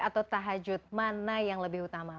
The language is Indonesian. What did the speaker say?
atau tahajud mana yang lebih utama